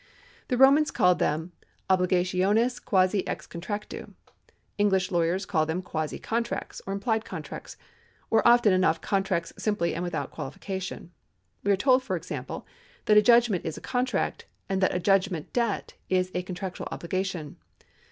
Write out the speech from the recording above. The Romans called them obligationes quasi ex contractu. English lawyers call them quasi contracts or implied contracts, or often enough contracts simply and without qualification. We are told, for example, that a judgment is a contract, and that a judgment debt is a con tractual obligation.